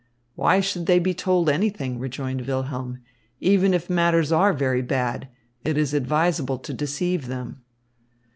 "Why should they be told anything?" rejoined Wilhelm. "Even if matters are very bad, it is advisable to deceive them."